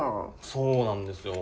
そうなんですよ。